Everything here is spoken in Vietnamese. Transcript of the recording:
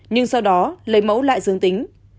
nhưng sau đó lấy mẫu lại dương tính